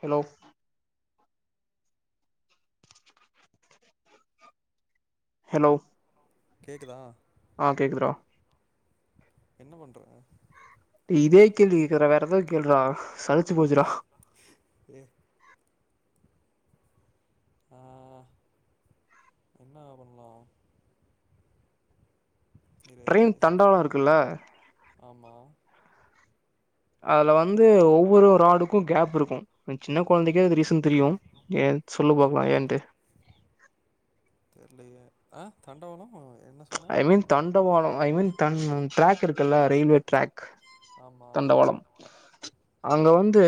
Hello hello கேக்குதா ஆஹ் கேக்குதுறா என்ன பண்ற இதே கேள்வி கேக்குற வேற ஏதாது கேள்றா சலிச்சு போச்சுடா. ஏ ஆ என்னா பண்லா இரு ட்ரெயின் ஒரே தண்டவாளம் செகண்ட் இருக்குல ஆமா அதுல வந்து ஒவ்வொரு ஆளுக்கும் கேப் இருக்கும் சின்ன குழந்தைக்கே ரீசன் தெரியும் ஏ சொல்லு பாக்கலாம் ஏன்ட்டு. தெரியலயே அ தண்டவாளோ என்ன சொன்ன ஐ மீன் தண்டவானோ ஐ மீன் தன் ட்ரேக் இருக்குல்ல ரயில்வே ட்ரேக் ஆமா தண்டவாளம் அங்க வந்து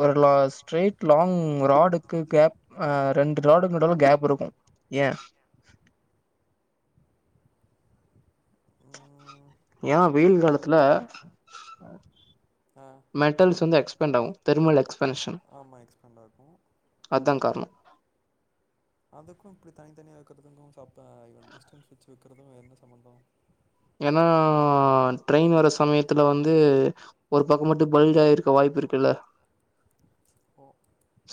ஒருல ஸ்ட்ரைட் லாங் ராடுக்கு கேப் அஹ் ரெண்டு ராடுக்கு நடுல கேப் இருக்கும் ஏன் ம் ஏன் வெயில் காலத்துல. ஆ மெட்டல்ஸ் வந்து எக்ஸ் பண்டம் தெருமலக்ஸ் பன்சன் ஆமா எக்ஸ்பேண்ட் ஆகு அதான் காரணம். அதுக்கும் இப்டி தனித்தனியா இருக்கறதுக்கும் சாப்ட்டா இவன் டிஸ்டன்ஸ் வச்சு வக்கிறதும் என்ன சம்மந்தம் ஏன்னா ட்ரெயின் வர சமயத்துல வந்து ஒரு பக்கம் மட்டும் பல்ட் ஆயிருக்க வாய்ப்பு இருக்குலே. ஓ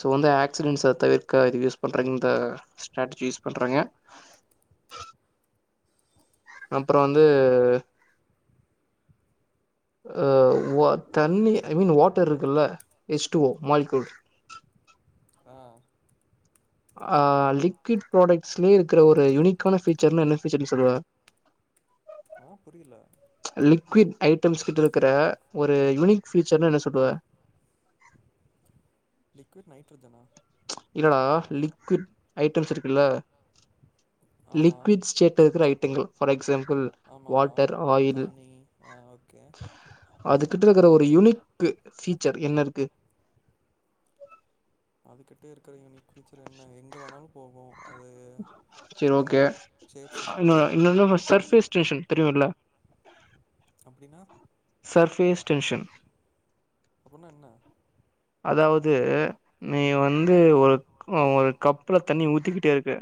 சோ அப்டி வந்து ஆக்சிடன்ட்ஸ தவிர்க்க [unintelligible] பண்ற இந்த ஸ்டாட்டர்ஜி யூஸ் பண்றாங்க. அப்புறம் வந்து. ம் அஹ் வ தண்ணி ஐ மீன் வாட்டர் இருக்குல்ல எஸ் டு வோ மால்கூல். ஆ ஆஹ் லிக்விட் ப்ராடக்ட்ஸ்லயே இருக்கிற ஒரு யுனிக்கான ஃபீச்சர்னா என்ன ஃபீச்சர்ன் சொல்லுவ ஆஹ் புரியல லிக்விட் ஐட்டம்ஸ் கிட்ட இருக்கிற ஒரு யூனிக் ஃபீச்சர்னு என்ன சொல்லுவ லிக்விட் நைட்ரஜனா இல்லடா லிக்விட் ஐட்டம்ஸ் இருக்குல்ல ஆமா லிக்விட் ஸ்டேட் இருக்கிற ஐட்டங்கள் ஃபார் எக்ஸாம்பிள் ஆமாமா வாட்டர் ஆயில் தண்ணி ஆ ஓகே அதுகிட்ட இருக்கிற ஒரு யூனிக் ஃபீச்சர் என்ன இருக்கு அதுகிட்டே இருக்கிற யூனிக் ஃபியூச்சர் என்ன எங்க வேணாலு போகு சரி ஓகே ஷேப் ஷிஃப்ட் இன்னு பண்ணும் இன்னொன்னு சர்ஃபேஸ்டேஷன் தெரியுல்ல அப்டினா சர்ஃபேஸ்டேஷன் அப்படின்னா என்ன அதாவது நீ வந்து ஒரு ஒரு கப்புல தண்ணி ஊத்திக்கிட்டே இருக்க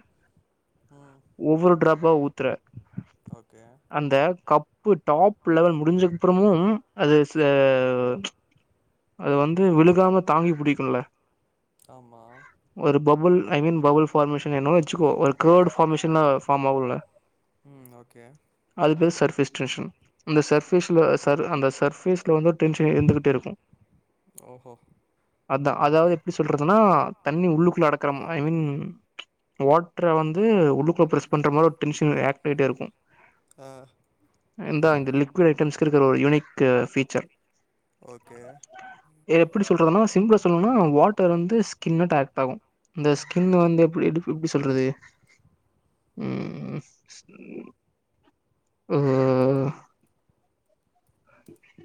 ம் ஒவ்வொரு ட்ராப்பா ஊத்துற ஓகே அந்த கப்பு டாப் லெவல் முடிஞ்சக்கு அப்புறமும் அது அது அது வந்து விழுகாம தாங்கி பிடிக்குல்ல ஆமாம் ஒரு bubble I mean bubble formation என்ன வச்சுக்கோ ஒரு கர்ட் ஃபார்மேஷன ஃபார்ம் ஆகுல ம் ஓகே அது சர்ஃபேஸ்டேஷன் அந்த சர்ஃபேஸ் அந்த சர் அந்த சர்ஃபேஸ்ல வந்து டென்ஷன் இருந்துகிட்டே இருக்கு ஓஹோ அதா அதாவது எப்டி சொல்றதுன்னா தண்ணி உள்ளுக்குள்ள அடக்குற ஐ மீன் வாட்டர வந்து இது உள்ளுக்குள்ள பண்ற மாரி [unintelligible] இருக்கும் ஆ இந்தா இந்த லிக்யூட் ஐட்டம்ஸ் இருக் ஒரு யூனிக் பீஃச்சர் ஓகே எப்டி சொல்றதுனா சிம்பிளா சொல்லணுன்னா வாட்டர் வந்து ஸ்கின்ன டாக்ட் ஆகு இந்த ஸ்கின் வந்து எப்டி எப் எப்படி சொல்றது உம் ஓ ஓ ஓ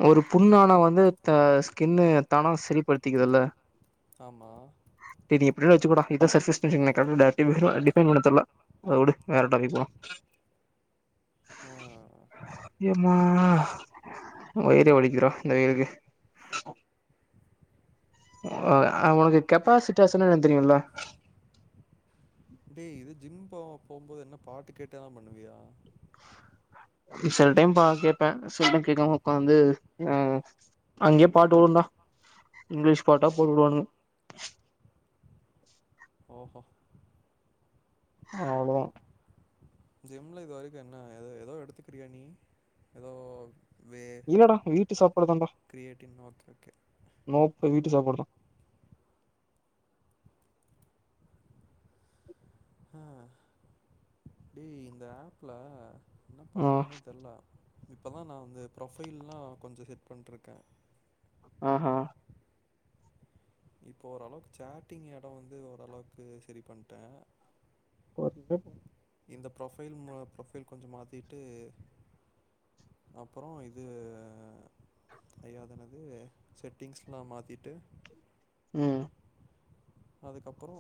ஒரு புண்ணானா வந்து தா ஸ்கின்னுு தானா சரிப்படுத்திக்குதுல்ல ஆமா இப்டின்னு வச்சுகோட இத ஸஸ்டிஃஷன் [unintelligible] டிபைன் பண்ண தெர்ல அத வுடு வேற டாபிக் போலா ஆஹ் ஆமா வயிரே வலிக்கிதுடா இந்த வெயிலுக்கு ஓ ஒனக்கு கெப்பாசிட்டிஸ்னா என்னனு தெரியுல்ல டேய் இது ஜிம் போ போகுபோது என்ன பாட்டு கேட்டல்லா பண்ணுவியா செல டைம் பா கேட்பே செல டைம் கேக்காம உக்காந்து அ அங்கேயே பாட்டு ஓடுண்டா இங்கிலீஷ் பாட்டா போட்டு விடுவானுங்க ஓஹோ ஆ அவ்ளோதா ஜிம்ல இது வரைக்கு என்ன எதோ எதோ எடுத்துக்கிறியா நீ எதோ இல்லடா வீட்டு சாப்பாடு தான்டா கிரியேட்டின் ஓகே ஓகே நோப்பு வீட் சாப்பாடுதா அ டேய் இந்த ஆப்ல என்ன ஆ பண்றேன்னே தெர்ல இப்பதா நா வந்து ப்ரொஃபைல்லா கொஞ்ச செட் பண்ணிட்ருக்கே ஆஹா இப்போ ஓரளவுக்கு சாட்டிங் எடோ வந்து ஓரளவுக்கு செரி பண்ட்டே [unintelligible] இந்த ப்ரொஃபைல் ப்ரொஃபைல் கொஞ்சோ மாத்திட்டு அப்பறோ இது ஐயோ என்னது செட்டிங்ஸ்லா மாத்திட்டு ம் அதுக்கப்பறோ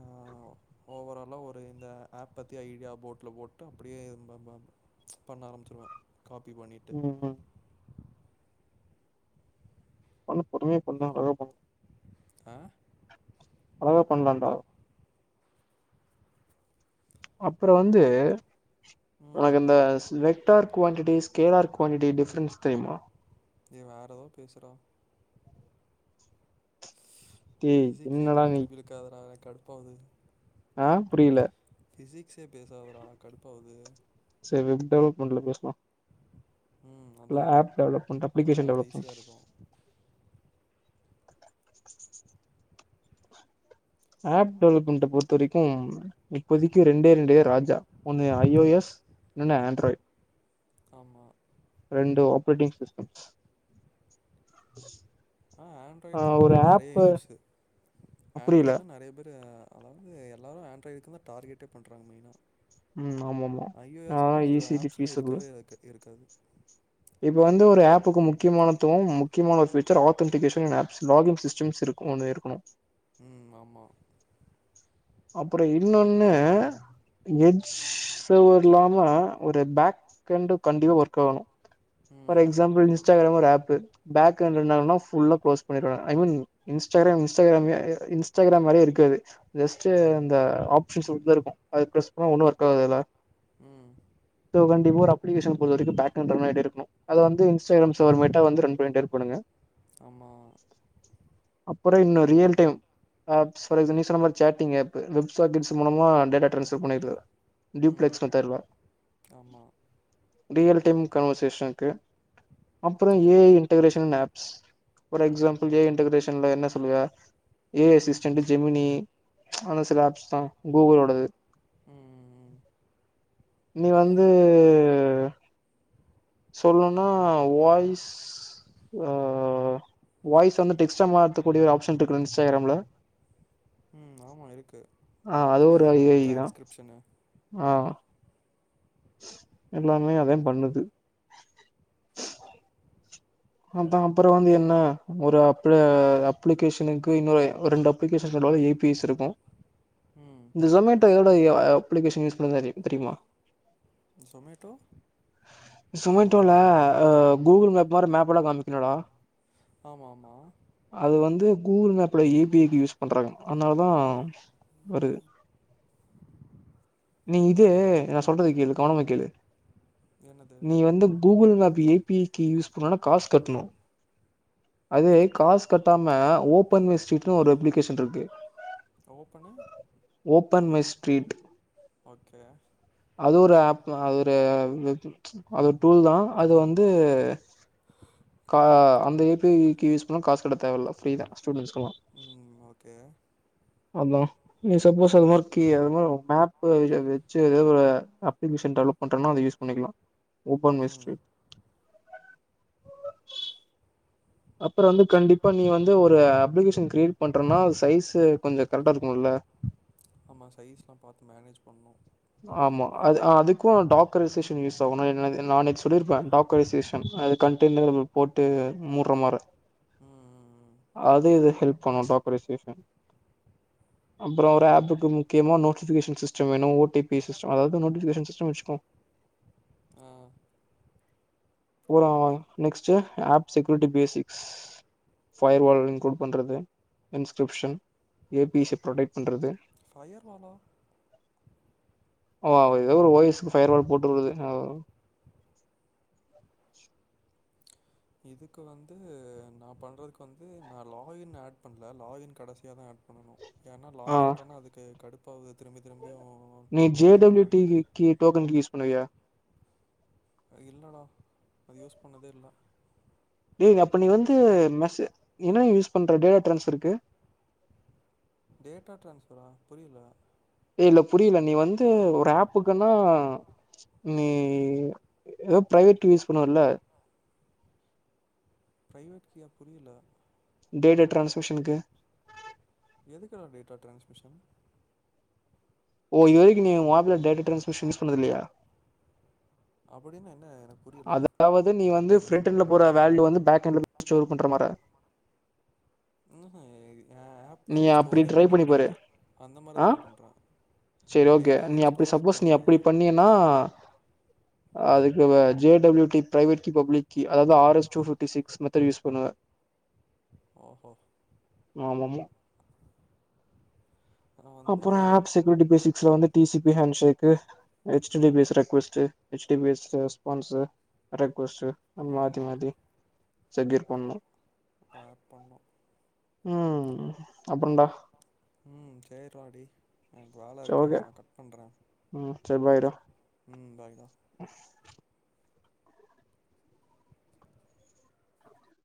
[inaudible] ஓவராலா ஒரு இந்த ஆப் பத்தி ஐடியா போட்டுல போட்டு அப்டியே பண்ண ஆரம்பிச்சுருவே காப்பி பண்ணிட்டு ம் பண்ணு பொறுமையா பண்ணா அழகா பண்ணு ஆ அழகா பண்ணலான்டா அப்பறோ வந்து ம் உனக்கு இந்த ஸ் vector quantities scalar quantity difference தெரியுமா ஏ வேற எதோ பேசுறோ டேய் பிசிக்ஸே என்னடா திரும்பி நீ திரும்பி எழுக்காதடா கடுப்பாவுது ஆஹ் புரியல பிசிக்ஸே பேசாதரா கடுப்பாவுது விப்டவலப்மல பேசல ம் அதான் ஆப் டவுன்லோட் அப்ளிகேஷன் அதாவது ஈஸியாக டவுன்லோட் இருக்கும் [inaudible] ஆப் டவுன்லோட் பொறுத்த வரைக்கு இப்போதைக்கு ரெண்டே ரெண்டு ராஜா ஒண்ணு ஐ ஓ எஸ் இன்னொன்னு ஆண்ட்ராய்ட் ஆமா ரெண்டு ஆபரேட்டிங் சிஸ்டம் ஆஹ் ஆண்ட்ராய்டு ஆ தா ஆனா ஒரு நிறைய ஆப்பு யூஸ் புரியல ஆண்ட்ராய்டு தா நிறைய பேரு அது எல்லாரு ஆண்ட்ராடு தா டார்கெட் பண்ணறாங்க மெயினா ம் ஆமா ஆமா ஐ ஓ ஆ எஸ்குலா சில ஈஸிலி ஆப்ஸ் எல்லா பீஸபிள் இருக்கவே இருக்க இருக்காது இப்ப வந்து ஒரு ஆப்புக்கு முக்கியமானத்துவம் முக்கியமான ஒரு ஃபூச்சர் ஆத்தன்டிகேஷன் ஆப்ஸ் லாகிங் சிஸ்டம்ஸ் இருக்கணும் உம் ஆமா அப்புறம் இன்னொன்னு எட்ஜ் சவர் இல்லாம ஒரு பேக்ண்ட கண்டிப்பா ஒர்க் ஆகணும் பர் ம் எக்ஸாபிள் இன்ஸ்டாகிராம ஒரு ஆப் பேக்கென்ட் இருந்தாங்க ஃபுல்லா குளோஸ் பன்னிருவ ஐ மீன் இன்ஸ்டாகிராம் இன்ஸ்டாகிராமையே இன்ஸ்டாகிராம் மாறியே இருக்காது ஜஸ்ட் இந்த ஆப்ஷன்ஸ் உள்ள இருக்கும் அத பிரஸ் பண்ண ஒண்ணும் ஒர்க் ஆகுதுல்ல உம் து கண்டிப்பா ஒரு அப்ளிகேஷன் போடுற வரைக்கும் பேக்கண்ணட் வேணா எது எடு அது வந்து இன்ஸ்டாகிராம் சவர்மேட்டா வந்து ரண் பண்ணிட்டு இருப்பாணுங்க ஆமா அப்புற இன்னும் ரியல் டைம் ஆப் சுரேஷ் நீ சொன்ன மாரி சேட்டிங் ஆப்பு வெப சார்கெட்ஸ் மூலமா டேட்டா டிரான்ஸ்பர் பண்ணிருது ம் டிப்ளக்ஸ் மெத்தட்ல ஆமாம் ரியல் டை கன் ஸ்டேஷனுக்கு அப்புறோ ஆ A I integration app for example A I இன்டகரேஷன்ல என்ன சொல்லுவ ஏ ஐ அசிஸ்டன்ட்டு ஜெமினி ஆனா சில ஆப்ஸ் தா கூகுளோடது ம் ம் நீ வந்து சொல்லணுனா வாய்ஸ் ஆ வாய்ஸ் வந்து டெக்ஸ்டா மாத்தக்கூடிய ஒரு ஆப்ஷன் இருக்கணு இன்ஸ்டாகிராம்ல ம் ஆமா இருக்கு ஆ அது ஒரு அப்டியும் ஏ ஐ தா டிரான்ஸ்கிப்ஷனு ஆ எல்லாமே அதேன் பண்ணுது அதான் அப்புற வந்து என்ன ஒரு அப்ப அப்ளிகேஷனுக்கு இன்னொ ரெண்டு அப்ளிகேஷன் சொல்லவை ஏ பி எஸ் இருக்கும் ம் இந்த ஸொமேட்டோ ல அப்ளிகேஷன் யூஸ் பண்ண தெரியுமா ஸொமேட்டோ ஸொமேட்டோல அ கூகுள் மேப் மாரி மேப் இப்பலா காமிக்கலடா ஆமா ஆமா வந்து கூகுள் மேப்ல ஏபிஐக்கு யூஸ் பண்றாங்க அதனாலதா வருது நீ இதே நா சொல்றத கேளு கவனமா கேளு என்னது நீ வந்து கூகுள் மேப் விஐபி கிஸ் புரானா காஸ் கட்ணும் அது காஸ் கட்டாம ஓபன் மை ஸ்ட்ரீட்னு ஒரு அப்ளிகேஷன் இருக்கு ஓப்பணு ஓப்பன் மை ஸ்ட்ரீட் ஓகே அது ஒரு ஆப் அது ஒரு அது ஒரு டூல் தா அது வந்து கா அந்த ஏபிஐக்கு காசுகட்ட தேவல்ல ஃப்ரீ தா ஸ்டூடன்ஸ்குலா ம் ஓகே அதா நீ சப்போஸ் அது மாரி கீ அ மாரி மேப்பு வச்சு ஏதோ ஒரு அப்ளிகேஷன் டெவலப் பண்றனா அத யூஸ் பண்ணிக்கலா ஒபன் மை ம் ஸ்ட்ரீட் [inaudible] அப்புற வந்து கண்டிப்பா நீ வந்து ஒரு அப்ளிகேஷன் கிரியேட் பண்றனா சைஸு கொஞ்சோ கரெக்டா இருக்கணுல்ல ஆமா சைஸ்லா பாத்து மேனேஜ் பண்ணு ஆமா அ்து அதுக்கும் டாக் ரிசேசேன் யூஸ் ஆகும் நா எனக்கு நா அன்னைக்கு சொல்லிருப்பேன் டாக் ரிசேசேன் அது கன் டின்னரபுல் போட்டு முட் அற மார ம் ம் ம் அது இது ஹெல்ப் [unintelligible] அப்புறம் ஒரு ஆப்புக்கு முக்கியமா நோட்டிபிகேஷன் சிஸ்டம் வேணும் ஓ டி பி சிஸ்டம் அதாவது நோட்டிபிகேஷன் சிஸ்டம் வெச்சுக்கோங்க ம் ம் next apps security basics firewall include பண்றது இன்ஸ்கிரிப்ஷன் ஏ பிச ப்ரொடெக்ட் பண்றது ஃபயர் வால ஓ ஒரு ஏதோ ஓ எஸ்-க்கு ஃபயர்வால் போட்டுவுடுறது இதுக்கு வந்து நான் பண்றதுக்கு வந்து நான் லாகின் ஆட் பண்ணல லாகின் கடைசிய தான் ஆட் பண்ணனும் ஏன்னா லாக் ஆ இன் பண்ண அதுக்கு கடுப்பு பது திரும்பித் திரும்பி திரும்பியு நீ ஜே லாகின் பண்ண டபிள்யூ வேண்டியது டிக்கு டோக்கன் கீ யூஸ் பண்ணுவியா இல்லடா அது யூஸ் பண்ணதே இல்லை டேய் அப்ப நீ வந்து மெசே என்ன யூஸ் பண்ற டேட்டா டிரான்ஸ்பர்க்கு டேட்டா டிரான்ஸ்பரா புரியல ஏய் இல்ல புரியல நீ வந்து ஒரு ஆப்புக்குன்னா நீ ஏதோ பிரைவேட் கீ யூஸ் பண்ணுவல பிரைவேட் கீயா புரியல டேட்டா ட்ரான்ஸ்க்ரிப்ஷனுக்கு எதுக்கான டேட்டா ட்ரான்ஸ்மிஷன் ஓஹ் இது வரைக்கு நீ ஆப்ல டேட்டா டிரான்ஸ்மிஷன் யூஸ் பண்ணது இல்லையா அப்படின்ன என்ன எனக்கு புரியல அதாவது நீ வந்து ஃப்ரண்ட் எண்டுல போடுற வேல்யூ வந்து பேக் எண்டல ஸ்டோர் பண்ற மாதிரி டா [unintelligible] ஆப் நீ வந்து அப்படி ஸ்டோரே ட்ரை பண்ணி பாரு பண்ணக்கூடாது அந்த மாரி தான் ஆஹ் நான் பண்ணுறேன் சரி ஓகே டேட்டா நீ வந்து அப்படி ஸ்டோரே சப்போஸ் நீ பண்ணக்கூடாது அப்படி பண்ணியன்னா அதுக்கு J double you T private key public key அதாவது R S two fifty six method use பண்ணுவ ஆஹா ஆமாமா நான் வந்து அப்புறம் ஆப் செக்யூரிட்டி பேசிக்ஸ்ல வந்து T C P handshake H T base request H T base response request அ மாத்தி ஆமாம் மாத்தி சக்கீர் பண்ணும் ஆட் பண்ணோம் உம் அப்புறன்டா உம் சேரிடா டேய் எனக்கு வேல இருக்கு நான் கட் பண்றேன் உம் சரி பாய் ரா ம் பாய் டா